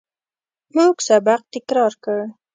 موږ سبق تکرار کړ.